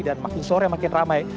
makin sore makin ramai